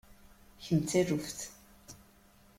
Kemm d taluft.